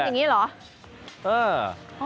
อย่างนี้เหรอ